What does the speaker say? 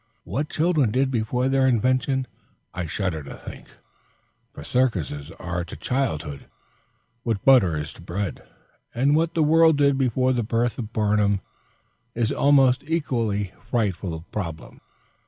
What children did before their invention I shudder to think, for circuses are to childhood what butter is to bread; and what the world did before the birth of Barnum is an almost equally frightful problem.